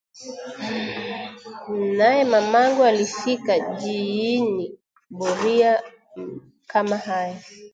Naye mamangu alifika jiini Boria kama yaya